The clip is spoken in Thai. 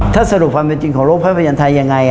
ถ้าสรุปความเป็นจริงของโลกภาพยนไทยยังไง